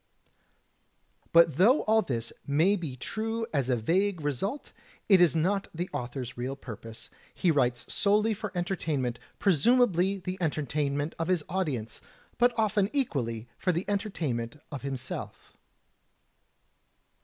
'" But though all this may be true as a vague result, it is not the author's real purpose. He writes solely for entertainment ; presumably the entertainment of his audience, but often equally for the entertainment of himself.